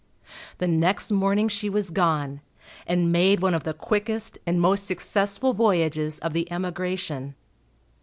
The next morning she was gone, and made one of the quickest and most successful voyages of the emigration.